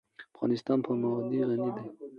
افغانستان په وادي غني دی.